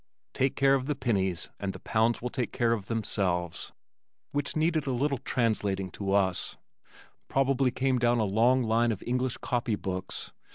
"Take care of the pennies and the pounds will take care of themselves" (which needed a little translating to us) probably came down a long line of English copy books.